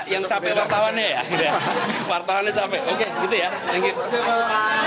yang capek wartawannya ya wartawannya capek oke gitu ya